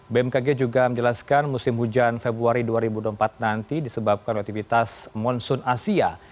bmkg juga menjelaskan musim hujan februari dua ribu dua puluh empat nanti disebabkan oleh aktivitas monsoon asia